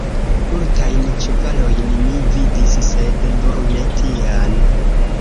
Multajn ĉevalojn mi vidis, sed nur ne tian!